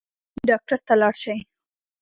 ډاکټر ته لاړ شئ